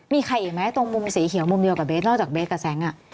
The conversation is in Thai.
มีใครอีกไหมตรงมุมสีเขียวมุมเดียวกับเบสนอกจากเบสกับแซง